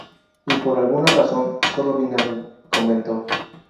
Y por alguna razón, solo viene a mi," comento.